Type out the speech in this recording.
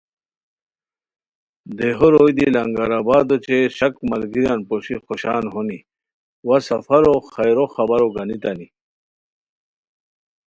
دیہو روئے دی لنگرآباد او چے شک ملگیریان پوشی خوشان ہونی و ا سفرو خیرو خبرو گانیتائی